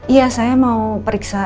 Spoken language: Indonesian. iya saya mau periksa